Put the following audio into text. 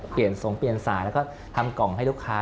สงเปลี่ยนสายแล้วก็ทำกล่องให้ลูกค้า